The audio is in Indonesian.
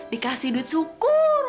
dikasih duit syukur